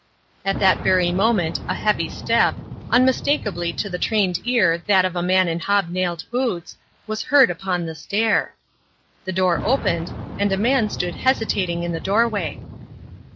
At that very moment a heavy step, unmistakably to the trained ear that of a man in hob nailed boots, was heard upon the stair. The door opened and a man stood hesitating in the doorway.